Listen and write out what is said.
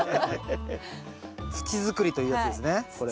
土づくりというやつですねこれが。